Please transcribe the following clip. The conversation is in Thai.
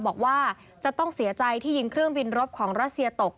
บอกว่าจะต้องเสียใจที่ยิงเครื่องบินรบของรัสเซียตก